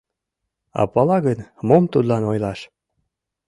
А пала гын, мом тудлан ойлаш?